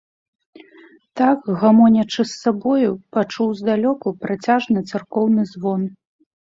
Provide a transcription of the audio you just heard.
Так гамонячы з сабою, пачуў здалёку працяжны царкоўны звон.